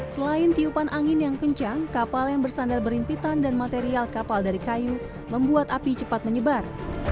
selain tiupan angin yang kencang kapal yang bersandar berimpitan dan material kapal dari kayu membuat api cepat menyebar